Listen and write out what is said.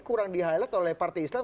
kurang di highlight oleh partai islam